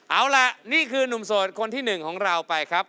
เอาล่ะนี่คือนุ่มโสดคนที่๑ของเราไปครับ